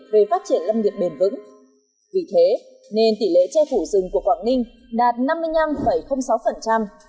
về phát triển lâm nghiệp bền vững vì thế nên tỷ lệ che phủ rừng của quảng ninh đạt năm mươi năm sáu